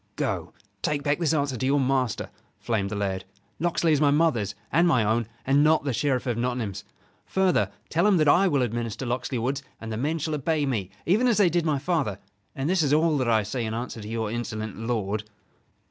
"Go, take back this answer to your master," flamed the lad. "Locksley is my mother's and my own and not the Sheriff of Nottingham's. Further, tell him that I will administer Locksley Woods, and the men shall obey me even as they did my father: and this is all that I say in answer to your insolent lord."